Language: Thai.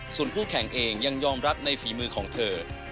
ส่วนคู่แข่งเองยังยอมรับในฝีมือของเธอ